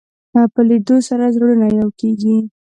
په لیدلو سره زړونه یو کېږي